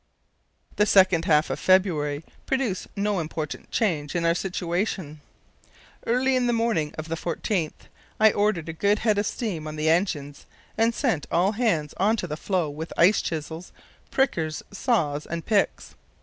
The second half of February produced no important change in our situation. Early in the morning of the 14th I ordered a good head of steam on the engines and sent all hands on to the floe with ice chisels, prickers, saws, and picks.